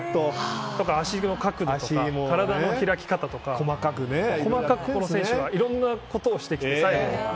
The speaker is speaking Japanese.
足の角度とか、体の開き方とか細かく、この選手はいろんなことをしてきて。